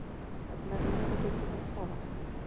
Аднак гэта толькі падстава.